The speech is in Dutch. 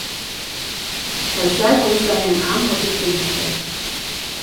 Wij sluiten ons bij hen aan wat dit punt betreft.